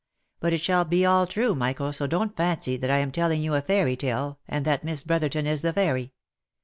But it shall be all true Michael, so don't fancy that I am telling you a fairy tale, and that Miss Brotherton is the fairy.